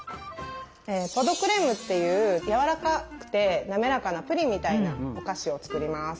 「ポ・ド・クレーム」っていうやわらかくて滑らかなプリンみたいなお菓子を作ります。